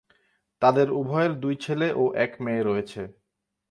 তাদের উভয়ের দুই ছেলে ও এক মেয়ে রয়েছে।